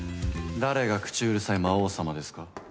・誰が口うるさい魔王様ですか？